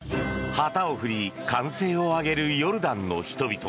旗を振り、歓声を上げるヨルダンの人々。